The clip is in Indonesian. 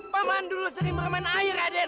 paman dulu sering bermain air raden